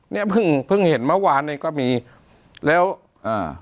เนี้ยเพิ่งเพิ่งเห็นเมื่อวานเนี้ยก็มีแล้วอ่า